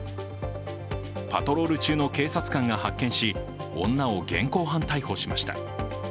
パトロール中の警察官が発見し、女を現行犯逮捕しました。